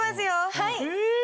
はい。